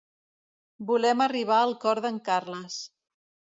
Volem arribar al cor d'en Carles.